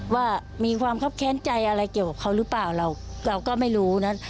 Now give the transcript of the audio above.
ว่ามีความคับแค้นใจอะไรเกี่ยวกับเขาหรือเปล่าเราก็ไม่รู้นะ